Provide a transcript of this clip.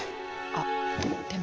あっでも。